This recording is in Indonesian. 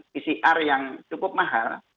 pcr yang cukup mahal